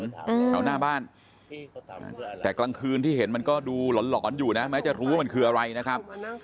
แถวหน้าบ้านแต่กลางคืนที่เห็นมันก็ดูหลอนหลอนอยู่นะแม้จะรู้ว่ามันคืออะไรนะครับ